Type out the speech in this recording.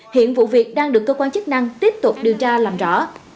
hiện vụ việc đang được cơ quan chức năng tiếp tục điều tra làm rõ